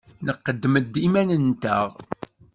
Nqeddem-d iman-nteɣ.